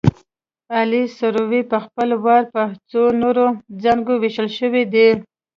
عالي سروې په خپل وار په څو نورو څانګو ویشل شوې ده